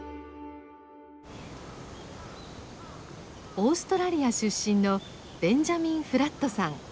オーストラリア出身のベンジャミン・フラットさん。